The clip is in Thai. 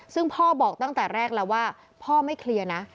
ซึ่งพ่อบอกตั้งแต่แรกแล้วว่าพ่อไม่เคลียร์นะ